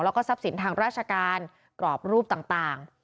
แล้วก็ทรัพย์สินทางราชการกรอบรูปต่าง